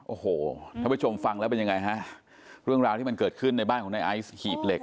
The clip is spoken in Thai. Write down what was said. โอ้โหท่านผู้ชมฟังแล้วเป็นยังไงฮะเรื่องราวที่มันเกิดขึ้นในบ้านของในไอซ์หีบเหล็ก